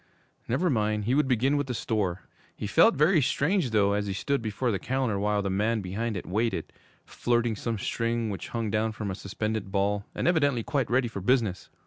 Never mind, he would begin with the store. He felt very strange, though, as he stood before the counter, while the man behind it waited, flirting some string which hung down from a suspended ball, and evidently quite ready for business.